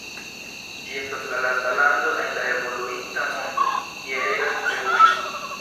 Ĝi estas la lasta lando en la evoluinta mondo, kie regas feŭdismo.